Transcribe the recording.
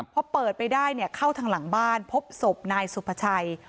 พอเปิดไปได้เข้าทางหลังบ้านพบศพนายสุภาชัย